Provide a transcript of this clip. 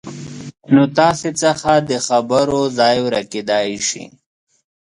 نو تاسې څخه د خبرو ځای ورکېدای شي